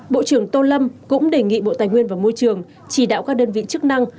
bộ trưởng tô lâm cũng đề nghị bộ tài nguyên và môi trường chỉ đạo các đơn vị chức năng